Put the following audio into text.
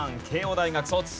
慶應大学卒。